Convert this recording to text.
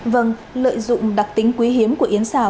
vâng lợi dụng đặc tính quý hiếm của yến xào